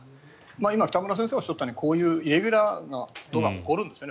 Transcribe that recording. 今、北村先生がおっしゃったようにイレギュラーなことが起こるんですね。